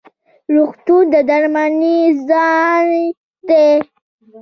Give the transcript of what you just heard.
روغتون د درملنې ځای دی